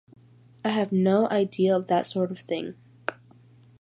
I have no idea of that sort of thing.